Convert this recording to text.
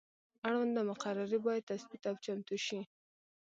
اړونده مقررې باید تثبیت او چمتو شي.